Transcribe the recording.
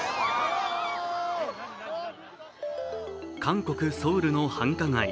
韓国ソウルの繁華街。